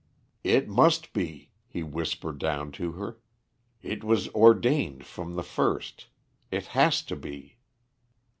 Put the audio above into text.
"It must be," he whispered down to her. "It was ordained from the first. It has to be."